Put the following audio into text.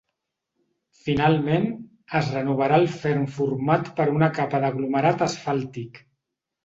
Finalment, es renovarà el ferm format per una capa d’aglomerat asfàltic.